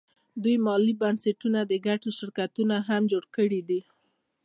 دوی مالي بنسټونه او د ګټې شرکتونه هم جوړ کړي دي